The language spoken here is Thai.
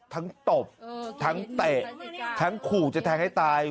ตบทั้งเตะทั้งขู่จะแทงให้ตาย